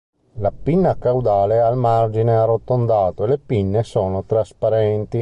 La pinna caudale ha il margine arrotondato e le pinne sono trasparenti.